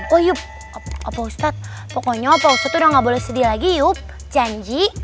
wah yuk opa ustadz pokoknya opa ustadz udah gak boleh sedih lagi yuk janji